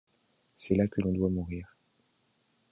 C’est là que l’on doit mourir!...